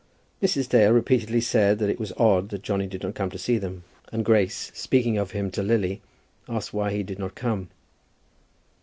Mrs. Dale repeatedly said that it was odd that Johnny did not come to see them; and Grace, speaking of him to Lily, asked why he did not come.